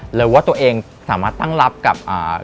หรือว่าตัวเองสามารถตั้งรับกับ